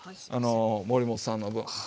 守本さんの分。